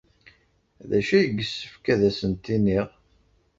D acu ay yessefk ad asent-t-iniɣ?